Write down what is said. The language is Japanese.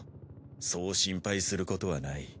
そう心配することはない。